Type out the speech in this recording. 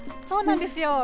そうなんですよ。